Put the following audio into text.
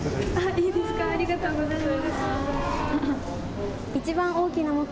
いいですか、ありがとうございます。